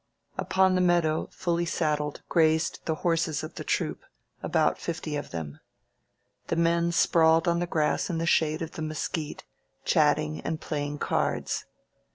Upon the meadow, fully saddled, grazed the horses of the troop, about fifty of them. The men sprawled on the grass in the shade of the mesquite, chatting and playing cards.